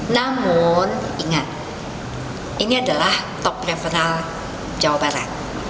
namun ingat ini adalah top referal jawa barat